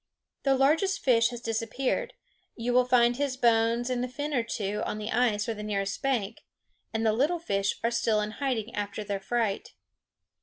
The largest fish has disappeared you will find his bones and a fin or two on the ice or the nearest bank and the little fish are still in hiding after their fright.